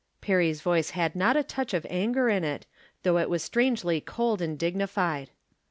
Perry's voice had not a touch of anger in it, though it was strangely cold and dignified.